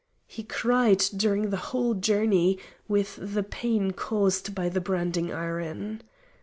He cried during the whole journey with the pain caused by the branding iron.